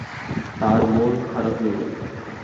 তাঁর মন খারাপ হয়ে গেল।